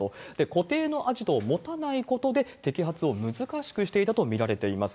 固定のアジトを持たないことで摘発を難しくしていたと見られています。